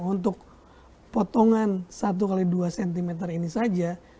untuk potongan satu x dua cm ini saja